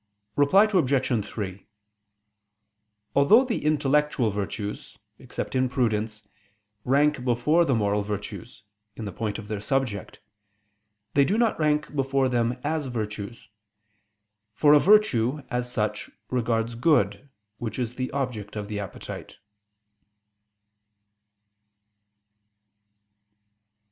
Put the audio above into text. Reply Obj. 3: Although the intellectual virtues, except in prudence, rank before the moral virtues, in the point of their subject, they do not rank before them as virtues; for a virtue, as such, regards good, which is the object of the appetite.